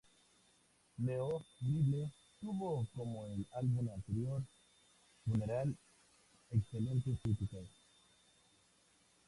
Neon Bible tuvo, como el álbum anterior, Funeral, excelentes críticas.